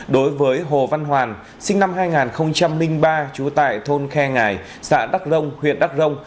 đối với hồ văn hoàn sinh năm hai nghìn ba trú tại thôn khe ngài xã đắc rông huyện đắc rông